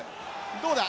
どうだ？